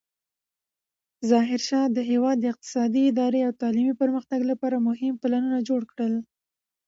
ظاهرشاه د هېواد د اقتصادي، اداري او تعلیمي پرمختګ لپاره مهم پلانونه جوړ کړل.